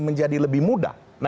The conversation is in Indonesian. menjadi lebih mudah